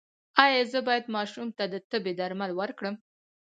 ایا زه باید ماشوم ته د تبې درمل ورکړم؟